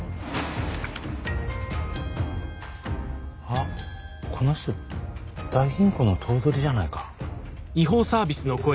あっこの人大銀行の頭取じゃないか。